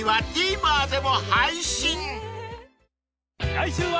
［来週は］